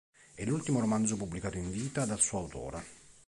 È l'ultimo romanzo pubblicato in vita dal suo autore.